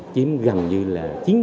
chiếm gần như là chín mươi